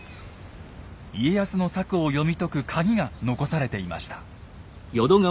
家康の策を読み解くカギが残されていました。